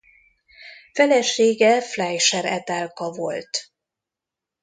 Felesége Fleischer Etelka volt.